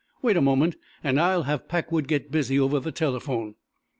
"Wait a moment, and I'll have Packwood get busy over the telephone."